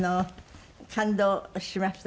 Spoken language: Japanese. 感動しました？